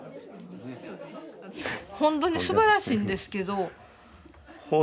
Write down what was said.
本当に素晴らしいんですけど。